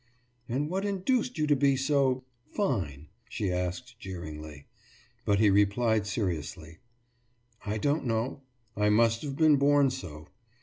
« »And what induced you to be so ... fine?« she asked jeeringly. But he replied seriously: »I don't know. I must have been born so.